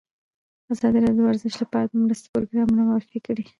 ازادي راډیو د ورزش لپاره د مرستو پروګرامونه معرفي کړي.